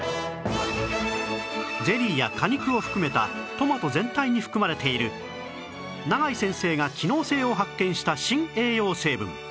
ゼリーや果肉を含めたトマト全体に含まれている永井先生が機能性を発見した新栄養成分